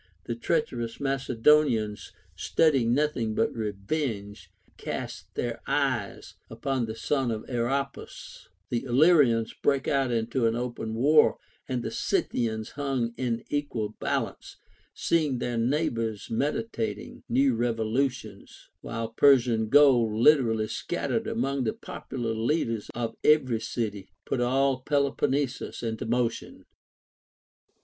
The treacherous Macedo nians, studying nothing but revenge, cast their eyes upon the sons of Aeropus ; the Illyrians brake out into an open war ; and the Scythians hung in equal balance, seeing their neigh bors meditating new revolutions ; while Persian gold, lib erally scattered among the popular leaders of every city, put all Peloponnesus into motion.